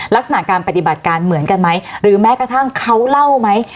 ลักษณะการปฏิบัติการเหมือนกันไหมหรือแม้กระทั่งเขาเล่าไหม